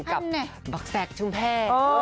กับบักแซกชุมแพทย์